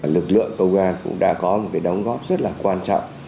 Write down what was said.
lực lượng công an cũng đã có một cái đóng góp rất là quan trọng